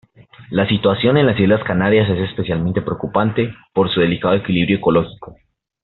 La situación en las Islas Canarias es especialmente preocupante, por su delicado equilibrio ecológico.